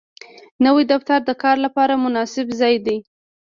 نوی دفتر د کار لپاره مناسب ځای وي